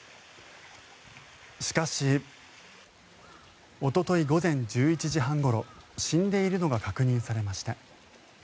しかしおととい午前１１時半ごろ死んでいるのが確認されました。